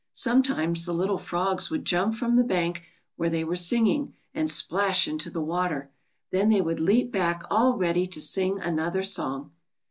Sometimes the little frogs would jump from the bank where they were singing, and splash into the water. Then they would leap back all ready to sing another song.